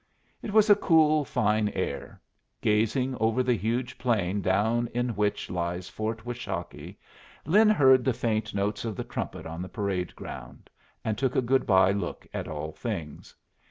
It was a cool, fine air. Gazing over the huge plain down in which lies Fort Washakie, Lin heard the faint notes of the trumpet on the parade ground, and took a good bye look at all things.